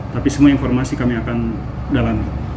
tapi semua informasi kami akan dalami